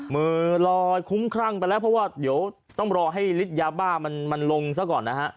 มือลอยคุ้มครั่งไปแล้วเพราะว่าเดี๋ยวต้องรอให้ฤทธิ์ยาบ้ามันลงซะก่อนนะฮะ